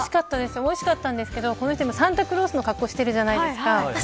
おいしかったんですけどこの人、サンタクロースのかっこをしてるじゃないですか。